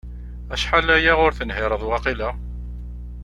Acḥal aya ur tenhireḍ waqila?